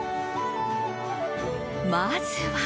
まずは。